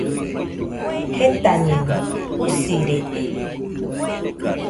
Jetañeno, usirede